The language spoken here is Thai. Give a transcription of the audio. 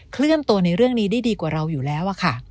เคลื่อนตัวในเรื่องนี้ได้ดีกว่าเราอยู่แล้วค่ะ